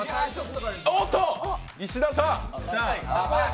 おっと、石田さん。